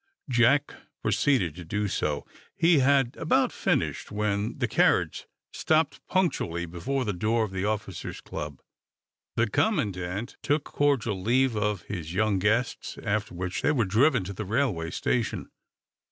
Jack proceeded to do so. He had about finished, when the carriage stopped punctually before the door of the officers' club. The commandant took cordial leave of his young guests, after which they were driven to the railway station.